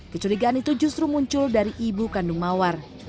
kecurigaan itu justru muncul dari ibu kandung mawar